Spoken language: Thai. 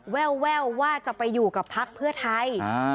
แววว่าจะไปอยู่กับพักเพื่อไทย